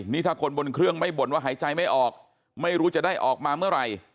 นี่ถ้าคนบนเครื่องไม่บ่นว่าหายใจไม่ออกไม่รู้จะได้ออกมาเมื่อไหร่